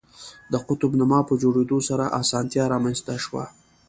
د قطب نما په جوړېدو سره اسانتیا رامنځته شوه.